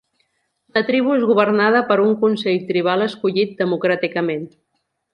La tribu és governada per un consell tribal escollit democràticament.